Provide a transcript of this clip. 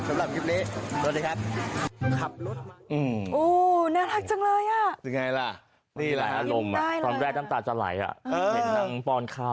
สำหรับคลิปนี้สวัสดีครับ